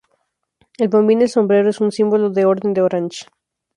El bombín el sombrero es un símbolo de Orden de Orange.